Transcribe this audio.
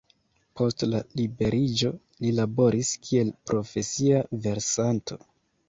Post la liberiĝo li laboris kiel profesia versanto.